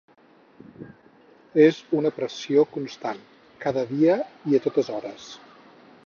És una pressió constant, cada dia i a totes hores.